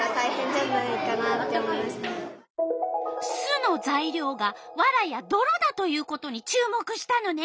巣のざいりょうがワラやどろだということに注目したのね。